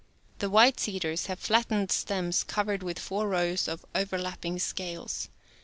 The white cedars have flattened stems covered with four rows of overlapping scales.